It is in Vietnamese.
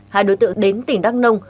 hai đối tượng đến tỉnh đắk nông